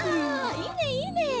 いいねいいね！